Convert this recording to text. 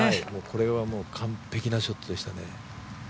これはもう完璧なショットでしたね。